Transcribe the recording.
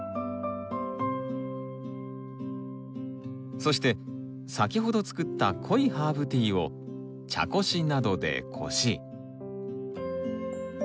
そして先ほど作った濃いハーブティーを茶こしなどでこし。